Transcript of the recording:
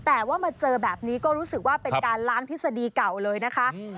แต่ว่ามาเจอแบบนี้ก็รู้สึกว่าเป็นการล้างทฤษฎีเก่าเลยนะคะ